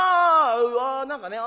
「あ何かね